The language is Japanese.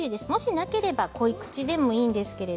なければ濃い口でも結構です。